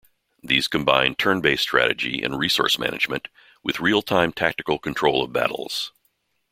These combine turn-based strategy and resource management, with real-time tactical control of battles.